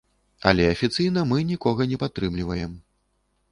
Але афіцыйна мы нікога не падтрымліваем.